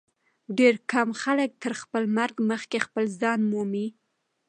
ډېر کم خلک تر خپل مرګ مخکي خپل ځان مومي.